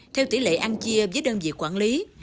theo tỷ lệ ăn chia với đơn vị quản lý